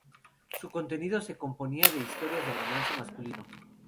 Su contenido se componía de historias de romance masculino.